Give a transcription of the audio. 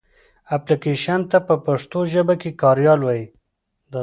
اپلکېشن ته پښتو ژبه کې کاریال وایې.